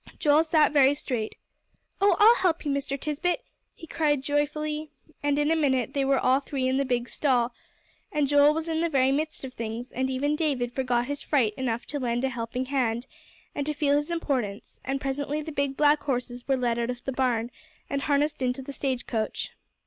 Joel sat very straight. "Oh, I'll help you, Mr. Tisbett," he cried joyfully. And in a minute they were all three in the big stall, and Joel was in the very midst of things, and even David forgot his fright enough to lend a helping hand, and to feel his importance, and presently the big black horses were led out of the barn, and harnessed into the stage coach.